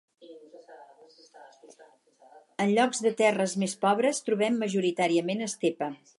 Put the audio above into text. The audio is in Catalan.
En llocs de terres més pobres trobem majoritàriament estepa.